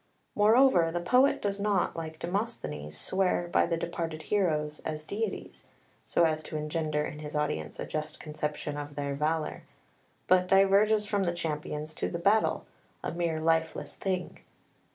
Moreover, the poet does not, like Demosthenes, swear by the departed heroes as deities, so as to engender in his audience a just conception of their valour, but diverges from the champions to the battle a mere lifeless thing.